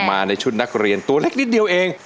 มาในชุดนักเรียนตัวเล็กนิดเดียวเอง